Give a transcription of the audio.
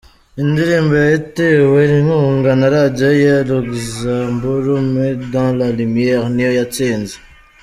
Indirimbo ye yatewe inkunga na Radiyo ya Luxamburu “mais dans la lumiere”, niyo yatsinze.